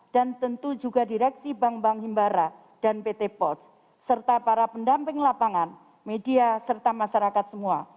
dan tentu juga direksi bank bank himbara dan pt pos serta para pendamping lapangan media serta masyarakat semua